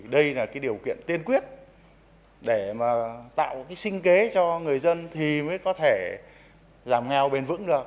đây là cái điều kiện tiên quyết để tạo sinh kế cho người dân thì mới có thể giảm nghèo bền vững được